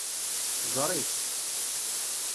Ẓeṛ-itt.